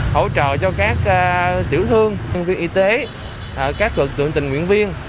hỗ trợ cho các tiểu thương nhân viên y tế các tượng tình nguyện viên